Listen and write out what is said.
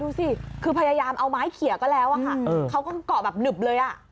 ดูสิคือพยายามเอาไม้เขียก็แล้วอะค่ะเขาก็เกาะแบบหนึบเลยอ่ะ